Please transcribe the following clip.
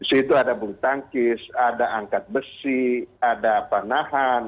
di situ ada bulu tangkis ada angkat besi ada panahan